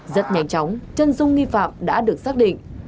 rất nhanh chóng chân dung nghi phạm đã được xác định